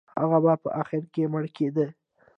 هغه به په اخر کې مړ کېده.